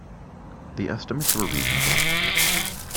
The estimates were reasonable.